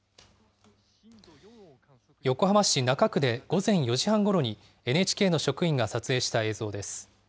横浜市中区で午前４時半ごろにＮＨＫの職員が撮影した映像です。